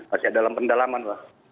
masih dalam pendalaman pak